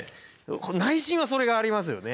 内心はそれがありますよね。